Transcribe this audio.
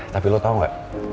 tapi lo tau ga